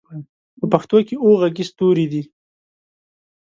په پښتو کې اووه غږيز توري دي: اَ، اِ، اُ، اٗ، اٰ، اٖ، أ.